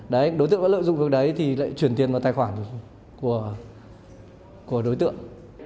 đấy đối tượng đã lợi dụng việc đấy thì lại chuyển tiền vào tài khoản của đối tượng